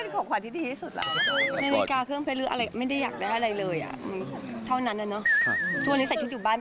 ฉะนั้นนอนแบบนี้อุ่นกว่าค่ะ